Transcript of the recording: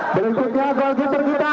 berikutnya gol kita